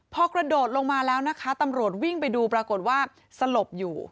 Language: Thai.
พอกระโดดลงมาแล้วนะคะตำรวจวิ่งไปดูปรากฏว่าสลบอยู่